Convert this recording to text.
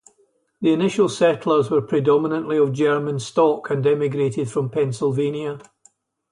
The initial settlers were predominantly of German stock, and emigrated from Pennsylvania.